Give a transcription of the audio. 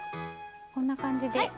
こんな感じで。